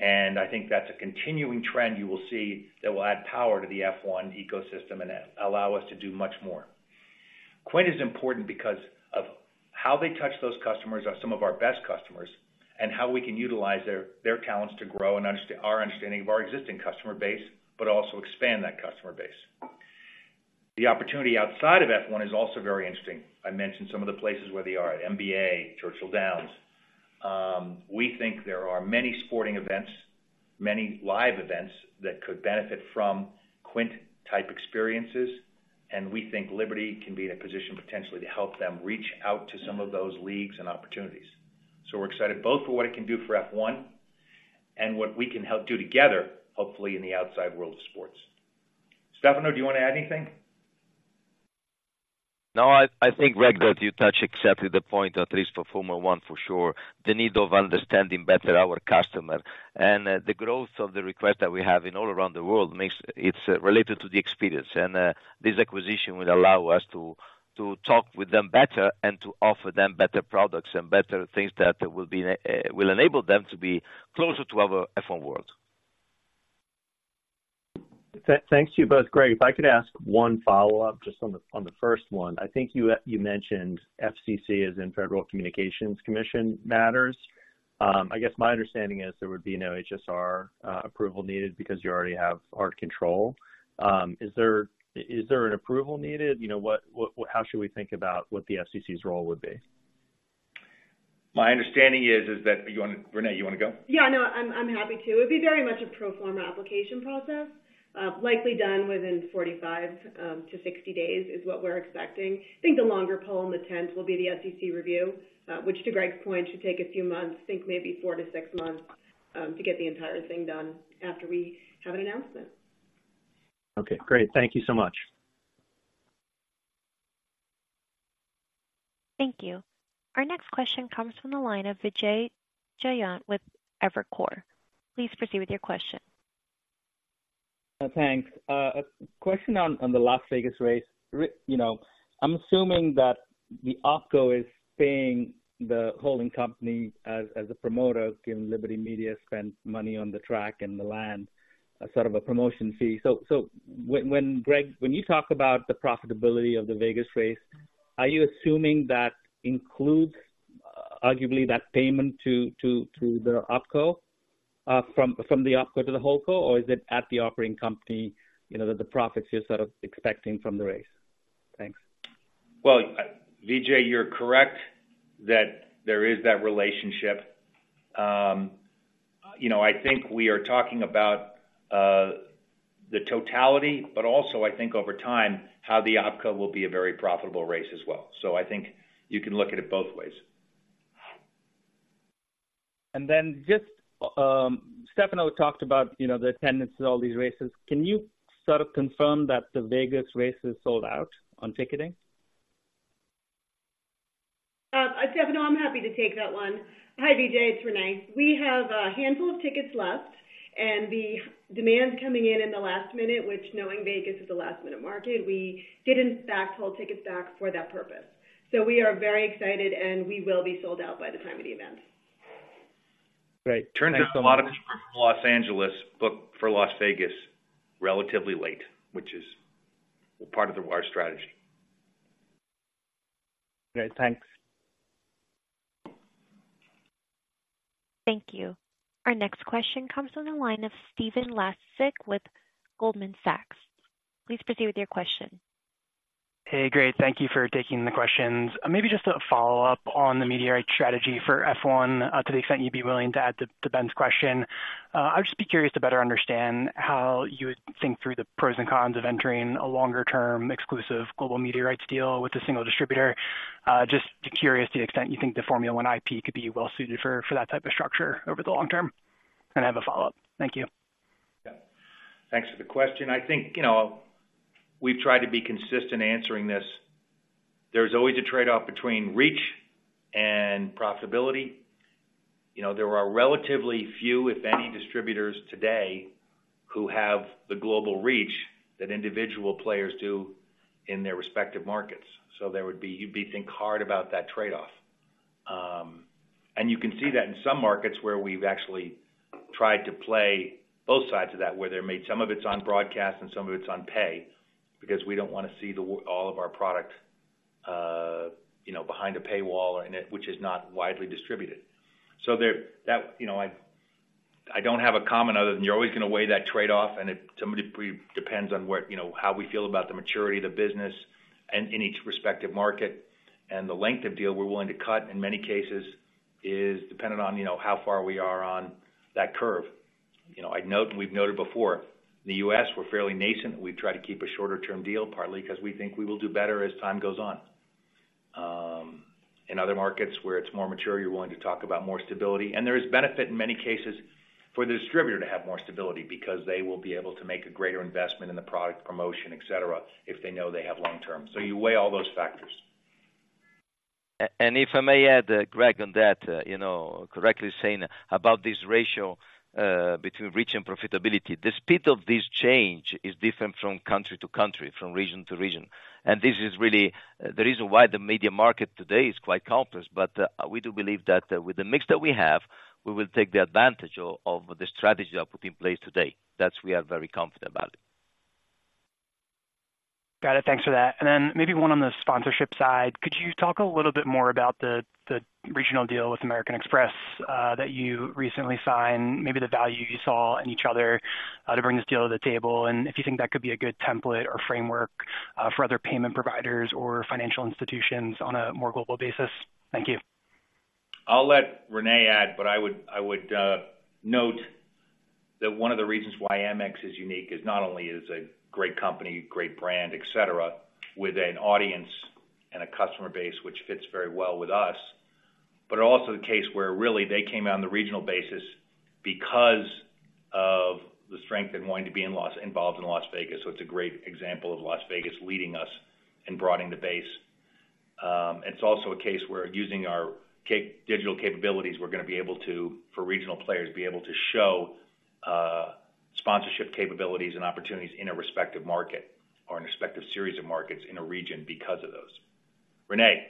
And I think that's a continuing trend you will see that will add power to the F1 ecosystem and allow us to do much more. Quint is important because of how they touch those customers, are some of our best customers, and how we can utilize their talents to grow and understand our understanding of our existing customer base, but also expand that customer base. The opportunity outside of F1 is also very interesting. I mentioned some of the places where they are, at NBA, Churchill Downs. We think there are many sporting events, many live events, that could benefit from Quint-type experiences, and we think Liberty can be in a position potentially to help them reach out to some of those leagues and opportunities. So we're excited both for what it can do for F1 and what we can help do together, hopefully, in the outside world of sports. Stefano, do you want to add anything? No, I think, Greg, that you touched exactly the point, at least for Formula One, for sure, the need of understanding better our customer. And the growth of the request that we have in all around the world makes. It's related to the experience, and this acquisition will allow us to talk with them better and to offer them better products and better things that will be will enable them to be closer to our F1 world. Thanks to you both. Greg, if I could ask one follow-up, just on the first one. I think you mentioned FCC, as in Federal Communications Commission matters. I guess my understanding is there would be no HSR approval needed because you already have our control. Is there an approval needed? You know, what, how should we think about what the FCC's role would be? My understanding is that... You want to-- Renee, you want to go? Yeah, no, I'm, I'm happy to. It'd be very much a pro forma application process, likely done within 45-60 days, is what we're expecting. I think the longer pole in the tent will be the FCC review, which, to Greg's point, should take a few months, I think maybe four to six months, to get the entire thing done after we have an announcement. Okay, great. Thank you so much. Thank you. Our next question comes from the line of Vijay Jayant with Evercore. Please proceed with your question. Thanks. A question on the Las Vegas race. You know, I'm assuming that the OpCo is paying the holding company as a promoter, given Liberty Media spends money on the track and the land, a sort of a promotion fee. So when Greg, when you talk about the profitability of the Vegas race, are you assuming that includes, arguably, that payment to the OpCo from the OpCo to the HoldCo? Or is it at the operating company, you know, that the profits you're sort of expecting from the race? Thanks. Well, Vijay, you're correct that there is that relationship. You know, I think we are talking about the totality, but also I think over time, how the OpCo will be a very profitable race as well. So I think you can look at it both ways. And then just, Stefano talked about, you know, the attendance at all these races. Can you sort of confirm that the Vegas race is sold out on ticketing? Stefano, I'm happy to take that one. Hi, Vijay, it's Renee. We have a handful of tickets left, and the demand's coming in in the last minute, which, knowing Vegas is a last-minute market, we did, in fact, hold tickets back for that purpose. So we are very excited, and we will be sold out by the time of the event. Great. Thank you so much. A lot of people from Los Angeles booked for Las Vegas relatively late, which is part of our strategy. Okay, thanks. Thank you. Our next question comes from the line of Stephen Laszczyk with Goldman Sachs. Please proceed with your question. Hey, Greg, thank you for taking the questions. Maybe just a follow-up on the media rights strategy for F1, to the extent you'd be willing to add to, to Ben's question. I'd just be curious to better understand how you would think through the pros and cons of entering a longer-term exclusive global media rights deal with a single distributor. Just curious to the extent you think the Formula One IP could be well suited for, for that type of structure over the long term? And I have a follow-up. Thank you. Yeah. Thanks for the question. I think, you know, we've tried to be consistent answering this. There's always a trade-off between reach and profitability. You know, there are relatively few, if any, distributors today, who have the global reach that individual players do in their respective markets. So there would be- you'd be think hard about that trade-off. And you can see that in some markets where we've actually tried to play both sides of that, where they're made, some of it's on broadcast and some of it's on pay, because we don't want to see all of our product, you know, behind a paywall, and it, which is not widely distributed. So, you know, I don't have a comment other than you're always going to weigh that trade-off, and it somewhat depends on where, you know, how we feel about the maturity of the business and in each respective market. And the length of deal we're willing to cut, in many cases, is dependent on, you know, how far we are on that curve. You know, I'd note, we've noted before, the U.S., we're fairly nascent. We try to keep a shorter-term deal, partly because we think we will do better as time goes on. In other markets where it's more mature, you're willing to talk about more stability. And there is benefit in many cases for the distributor to have more stability because they will be able to make a greater investment in the product promotion, et cetera, if they know they have long term. So you weigh all those factors. And if I may add, Greg, on that, you know, correctly saying about this ratio between reach and profitability. The speed of this change is different from country to country, from region to region. And this is really the reason why the media market today is quite complex. But we do believe that, with the mix that we have, we will take the advantage of the strategy I put in place today. That we are very confident about. Got it. Thanks for that. And then maybe one on the sponsorship side. Could you talk a little bit more about the regional deal with American Express that you recently signed, maybe the value you saw in each other to bring this deal to the table, and if you think that could be a good template or framework for other payment providers or financial institutions on a more global basis? Thank you. I'll let Renee add, but I would note that one of the reasons why Amex is unique is not only is a great company, great brand, et cetera, with an audience and a customer base, which fits very well with us, but also the case where really they came out on the regional basis because of the strength and wanting to be involved in Las Vegas. So it's a great example of Las Vegas leading us and broadening the base. It's also a case where using our digital capabilities, we're going to be able to, for regional players, be able to show sponsorship capabilities and opportunities in a respective market or a respective series of markets in a region because of those. Renee?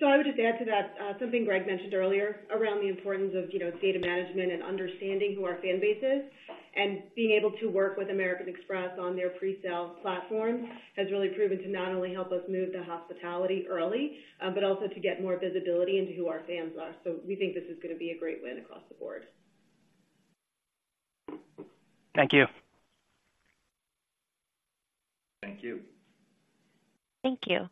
So I would just add to that, something Greg mentioned earlier around the importance of, you know, data management and understanding who our fan base is. And being able to work with American Express on their presale platform has really proven to not only help us move to hospitality early, but also to get more visibility into who our fans are. So we think this is going to be a great win across the board. Thank you. Thank you. Thank you.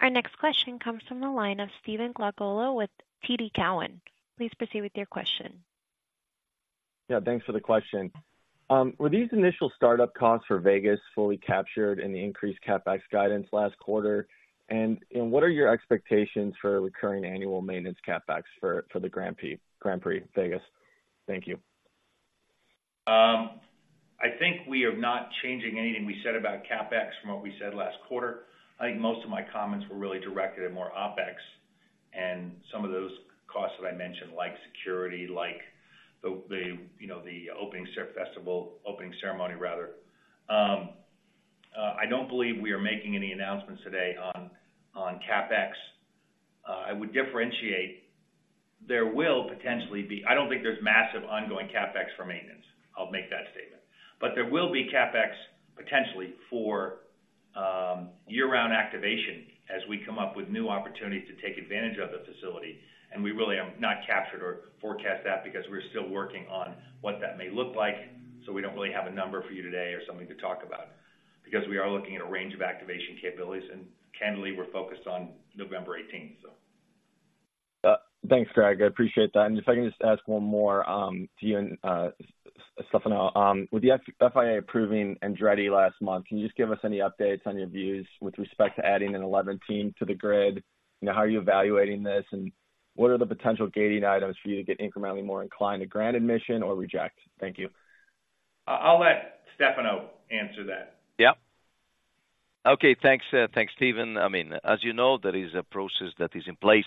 Our next question comes from the line of Stephen Glagola with TD Cowen. Please proceed with your question. Yeah, thanks for the question. Were these initial startup costs for Vegas fully captured in the increased CapEx guidance last quarter? And what are your expectations for recurring annual maintenance CapEx for the Grand Prix Vegas? Thank you. I think we are not changing anything we said about CapEx from what we said last quarter. I think most of my comments were really directed at more OpEx and some of those costs that I mentioned, like security, like the, you know, the opening ceremony rather. I don't believe we are making any announcements today on CapEx. I would differentiate. There will potentially be. I don't think there's massive ongoing CapEx for maintenance. I'll make that statement. But there will be CapEx potentially for year-round activation as we come up with new opportunities to take advantage of the facility, and we really have not captured or forecast that because we're still working on what that may look like, so we don't really have a number for you today or something to talk about. Because we are looking at a range of activation capabilities, and candidly, we're focused on November eighteenth, so. Thanks, Greg. I appreciate that. And if I can just ask one more, to you and, Stefano. With the FIA approving Andretti last month, can you just give us any updates on your views with respect to adding an eleventh team to the grid? You know, how are you evaluating this, and what are the potential gating items for you to get incrementally more inclined to grant admission or reject? Thank you. I'll let Stefano answer that. Yeah. Okay, thanks, thanks, Steven. I mean, as you know, there is a process that is in place,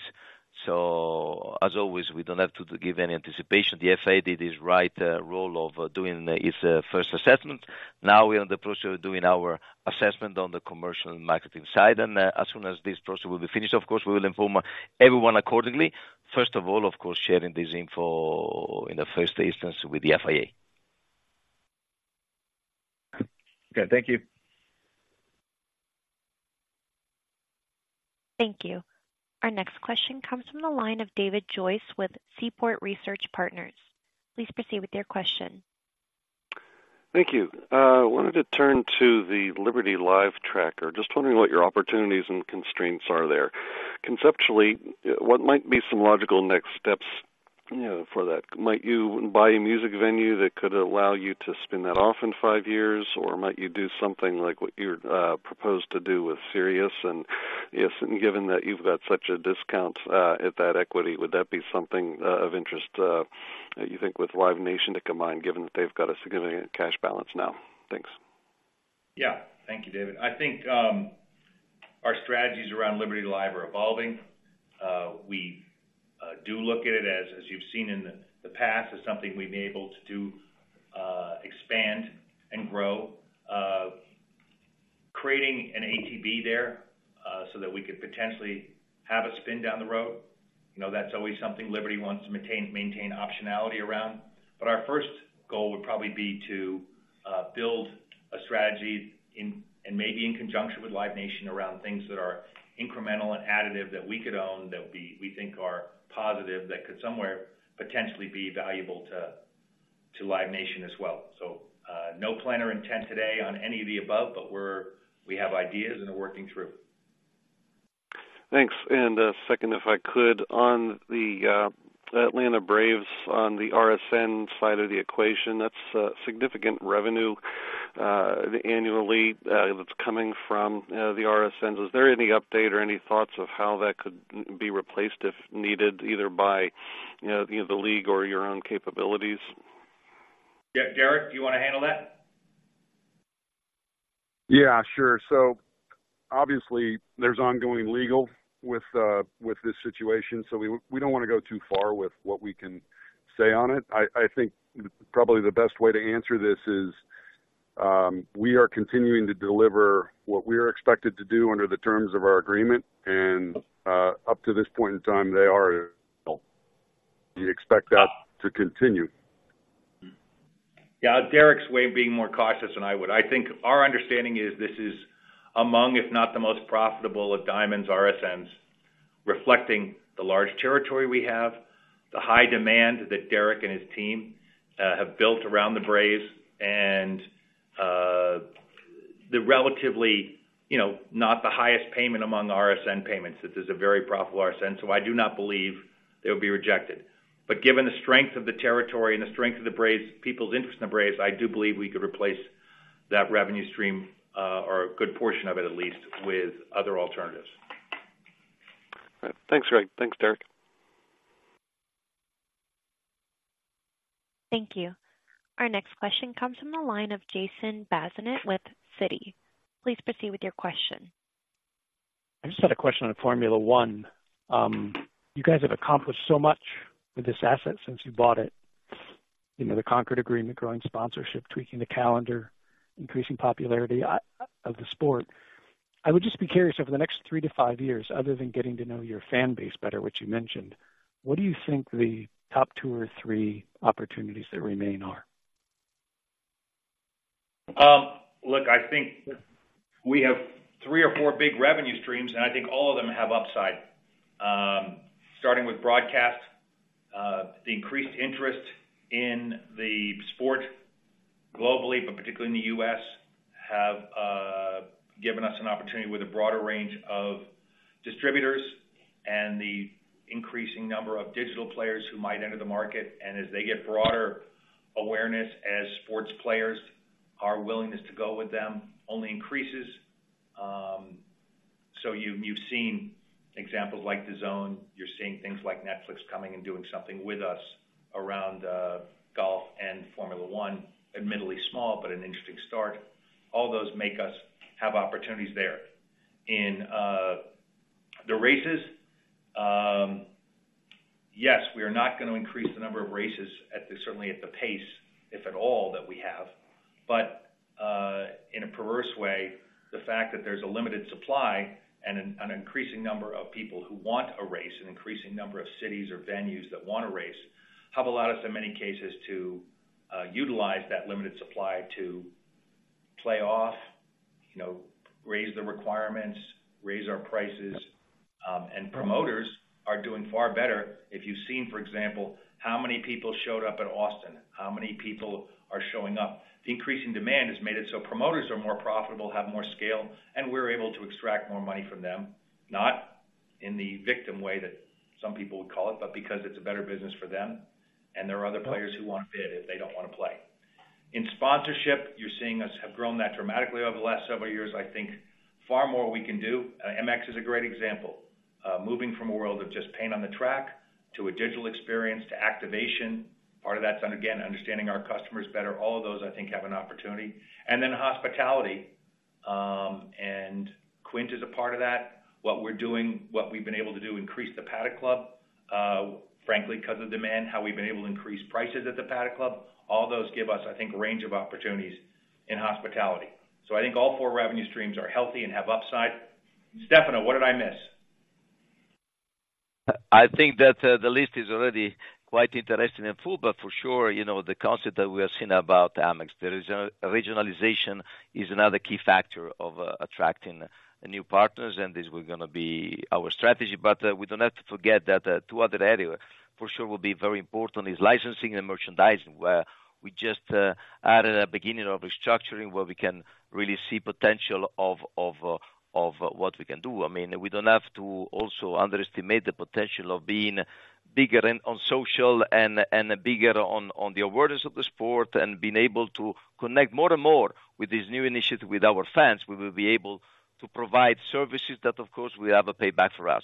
so as always, we don't have to give any anticipation. The FIA did its right role of doing its first assessment. Now we are in the process of doing our assessment on the commercial and marketing side, and as soon as this process will be finished, of course, we will inform everyone accordingly. First of all, of course, sharing this info in the first instance with the FIA. Okay, thank you. Thank you. Our next question comes from the line of David Joyce with Seaport Research Partners. Please proceed with your question. Thank you. I wanted to turn to the Liberty Live tracker. Just wondering what your opportunities and constraints are there. Conceptually, what might be some logical next steps, you know, for that? Might you buy a music venue that could allow you to spin that off in five years? Or might you do something like what you proposed to do with Sirius? And yes, and given that you've got such a discount at that equity, would that be something of interest, you think, with Live Nation to combine, given that they've got a significant cash balance now? Thanks. Yeah. Thank you, David. I think our strategies around Liberty Live are evolving. We do look at it as, as you've seen in the past, as something we've been able to do, expand and grow. Creating an ATB there, so that we could potentially have a spin down the road, you know, that's always something Liberty wants to maintain optionality around. But our first goal would probably be to build a strategy in and maybe in conjunction with Live Nation, around things that are incremental and additive, that we could own, that we think are positive, that could somewhere potentially be valuable to Live Nation as well. So, no plan or intent today on any of the above, but we have ideas and are working through. Thanks. Second, if I could, on the Atlanta Braves, on the RSN side of the equation, that's significant revenue annually, that's coming from the RSNs. Is there any update or any thoughts of how that could be replaced, if needed, either by, you know, the league or your own capabilities? Yeah. Derek, do you want to handle that? Yeah, sure. So obviously, there's ongoing legal with this situation, so we don't want to go too far with what we can say on it. I think probably the best way to answer this is, we are continuing to deliver what we are expected to do under the terms of our agreement, and up to this point in time, they are... We expect that to continue. Yeah, Derek's way of being more cautious than I would. I think our understanding is this is among, if not the most profitable of Diamond's RSNs, reflecting the large territory we have, the high demand that Derek and his team have built around the Braves, and the relatively, you know, not the highest payment among the RSN payments. This is a very profitable RSN, so I do not believe they'll be rejected. But given the strength of the territory and the strength of the Braves, people's interest in the Braves, I do believe we could replace that revenue stream, or a good portion of it, at least, with other alternatives. Thanks, Greg. Thanks, Derek. Thank you. Our next question comes from the line of Jason Bazinet with Citi. Please proceed with your question. I just had a question on Formula One. You guys have accomplished so much with this asset since you bought it. You know, the Concorde Agreement, growing sponsorship, tweaking the calendar, increasing popularity of the sport. I would just be curious, over the next three to five years, other than getting to know your fan base better, which you mentioned, what do you think the top two or three opportunities that remain are? Look, I think we have three or four big revenue streams, and I think all of them have upside. Starting with broadcast, the increased interest in the sport globally, but particularly in the U.S., have given us an opportunity with a broader range of distributors and the increasing number of digital players who might enter the market. And as they get broader awareness as sports players, our willingness to go with them only increases. So you've seen examples like DAZN, you're seeing things like Netflix coming and doing something with us around golf and Formula One, admittedly small, but an interesting start. All those make us have opportunities there. In the races, yes, we are not going to increase the number of races at the, certainly at the pace, if at all, that we have. But in a perverse way, the fact that there's a limited supply and an increasing number of people who want a race, an increasing number of cities or venues that want a race, have allowed us, in many cases, to utilize that limited supply to play off, you know, raise the requirements, raise our prices. And promoters are doing far better. If you've seen, for example, how many people showed up at Austin, how many people are showing up. The increase in demand has made it so promoters are more profitable, have more scale, and we're able to extract more money from them, not in the victim way that some people would call it, but because it's a better business for them and there are other players who want to bid if they don't want to play. In sponsorship, you're seeing us have grown that dramatically over the last several years. I think far more we can do. MX is a great example. Moving from a world of just paint on the track to a digital experience to activation. Part of that's, again, understanding our customers better. All of those, I think, have an opportunity. And then hospitality, and Quint is a part of that. What we're doing, what we've been able to do, increase the Paddock Club, frankly, because of demand, how we've been able to increase prices at the Paddock Club. All those give us, I think, a range of opportunities in hospitality. So I think all four revenue streams are healthy and have upside. Stefano, what did I miss? I think that the list is already quite interesting and full, but for sure, you know, the concept that we have seen about Amex, there is a regionalization, is another key factor of attracting new partners, and this is gonna be our strategy. But we don't have to forget that two other areas, for sure will be very important is licensing and merchandising, where we just are at a beginning of restructuring, where we can really see potential of, of, of what we can do. I mean, we don't have to also underestimate the potential of being bigger in, on social and, and bigger on, on the awareness of the sport, and being able to connect more and more with this new initiative, with our fans. We will be able to provide services that, of course, will have a payback for us.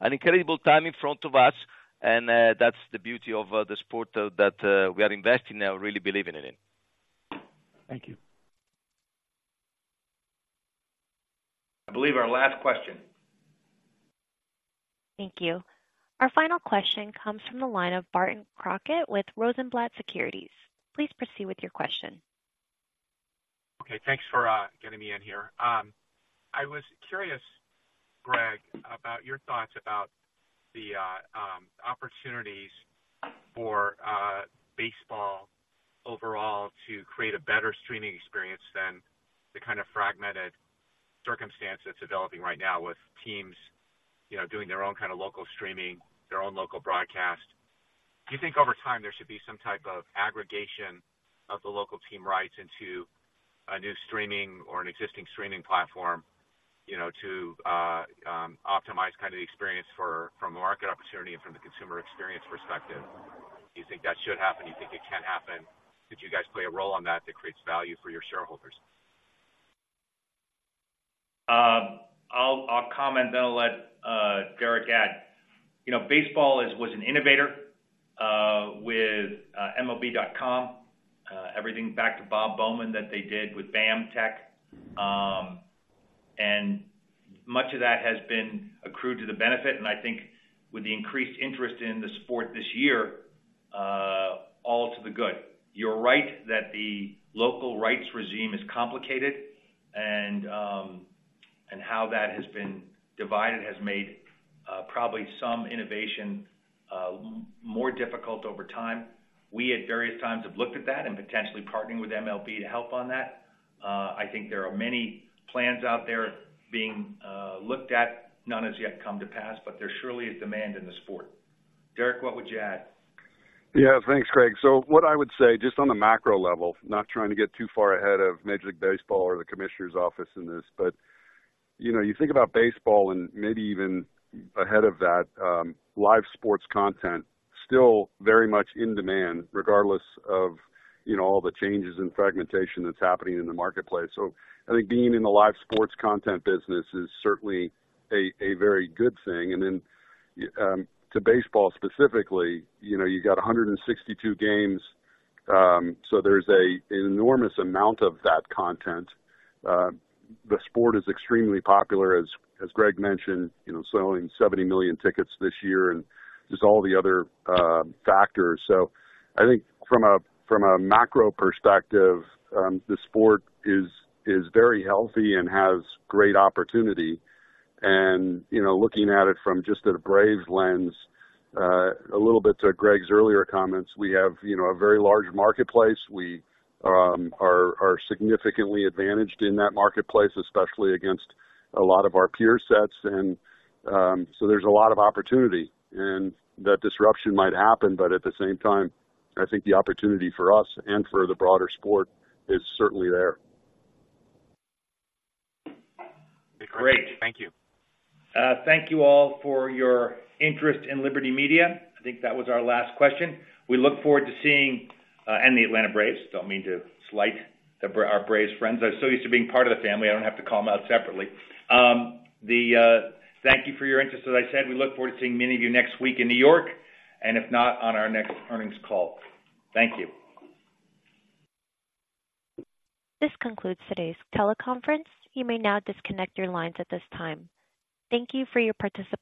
An incredible time in front of us, and that's the beauty of the sport that we are investing and really believing in it. Thank you. I believe our last question. Thank you. Our final question comes from the line of Barton Crockett with Rosenblatt Securities. Please proceed with your question. Okay, thanks for getting me in here. I was curious, Greg, about your thoughts about the opportunities for baseball overall to create a better streaming experience than the kind of fragmented circumstance that's developing right now with teams, you know, doing their own kind of local streaming, their own local broadcast. Do you think over time there should be some type of aggregation of the local team rights into a new streaming or an existing streaming platform, you know, to optimize kind of the experience for—from a market opportunity and from the consumer experience perspective? Do you think that should happen? Do you think it can happen? Could you guys play a role on that, that creates value for your shareholders? I'll comment, then I'll let Derek add. You know, baseball is, was an innovator with MLB.com, everything back to Bob Bowman that they did with BAMTech. And much of that has been accrued to the benefit, and I think with the increased interest in the sport this year, all to the good. You're right that the local rights regime is complicated, and how that has been divided has made probably some innovation more difficult over time. We at various times have looked at that and potentially partnering with MLB to help on that. I think there are many plans out there being looked at. None has yet come to pass, but there surely is demand in the sport. Derek, what would you add? Yeah, thanks, Greg. So what I would say, just on a macro level, not trying to get too far ahead of Major League Baseball or the commissioner's office in this, but, you know, you think about baseball and maybe even ahead of that, live sports content, still very much in demand, regardless of, you know, all the changes in fragmentation that's happening in the marketplace. So I think being in the live sports content business is certainly a very good thing. And then, to baseball specifically, you know, you got 162 games, so there's an enormous amount of that content. The sport is extremely popular, as Greg mentioned, you know, selling 70 million tickets this year, and there's all the other factors. So I think from a macro perspective, the sport is very healthy and has great opportunity. And, you know, looking at it from just a Braves lens, a little bit to Greg's earlier comments, we have, you know, a very large marketplace. We are significantly advantaged in that marketplace, especially against a lot of our peer sets. And, so there's a lot of opportunity, and that disruption might happen, but at the same time, I think the opportunity for us and for the broader sport is certainly there. Great. Thank you. Thank you all for your interest in Liberty Media. I think that was our last question. We look forward to seeing, and the Atlanta Braves. Don't mean to slight our Braves friends. I'm so used to being part of the family, I don't have to call them out separately. Thank you for your interest. As I said, we look forward to seeing many of you next week in New York, and if not, on our next earnings call. Thank you. This concludes today's teleconference. You may now disconnect your lines at this time. Thank you for your participation.